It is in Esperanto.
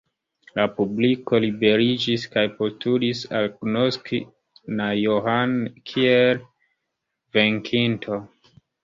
La publiko ribeliĝis kaj postulis agnoski na Johann kiel venkinto.